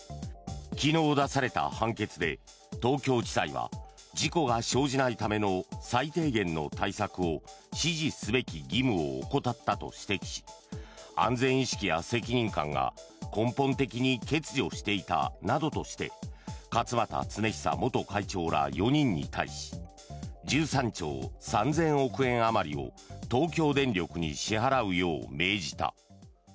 昨日、出された判決で東京地裁は事故が生じないための最低限の対策を指示すべき義務を怠ったと指摘し安全意識や責任感が根本的に欠如していたなどとして勝俣恒久元会長ら４人に対し１３兆３０００億円あまりを東京電力に支払うよう命じた。